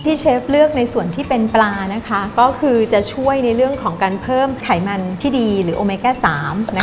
เชฟเลือกในส่วนที่เป็นปลานะคะก็คือจะช่วยในเรื่องของการเพิ่มไขมันที่ดีหรือโอเมก้า๓